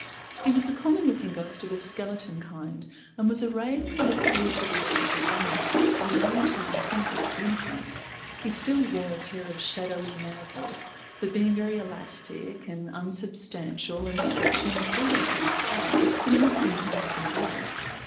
He was a common looking ghost of a skeleton kind, and was arrayed in what appeared to be the tattered remnants of an old time convict uniform. He still wore a pair of shadowy manacles, but, being very elastic and unsubstantial and stretching the full length of his stride, he did not seem to notice them at all.